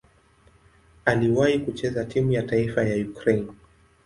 Aliwahi kucheza timu ya taifa ya Ukraine.